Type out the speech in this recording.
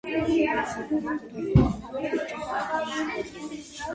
რუდოლფი ორჯერ იყო დაქორწინებული, ორივე ქორწინება განქორწინებით დასრულდა.